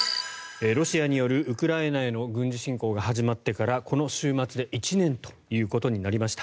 ロシアによるウクライナへの軍事侵攻が始まってからこの週末で１年となりました。